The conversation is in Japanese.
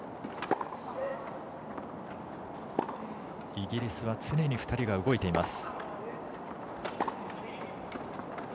イギリスは常に２人が動いています。